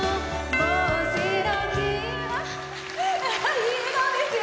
いい笑顔ですよ！